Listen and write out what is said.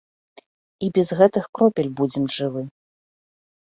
І без гэтых кропель будзем жывы.